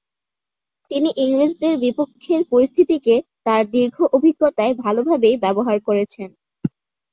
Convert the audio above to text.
তিনি ইংরেজদের বিপক্ষের পরিস্থিতিকে তার দীর্ঘ অভিজ্ঞতায় ভালোভাবেই ব্যবহার করেছেন।